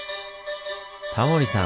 タモリさん